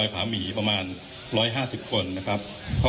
คุณผู้ชมไปฟังผู้ว่ารัฐกาลจังหวัดเชียงรายแถลงตอนนี้ค่ะ